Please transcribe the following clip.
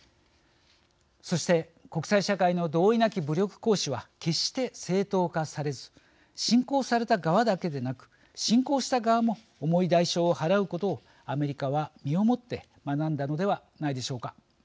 そして、国際社会の同意なき武力行使は決して正当化されず侵攻された側だけでなく侵攻した側も重い代償を払うことをアメリカは身をもって学んだのではないでしょうか。